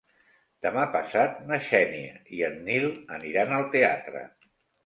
Demà passat na Xènia i en Nil aniran al teatre.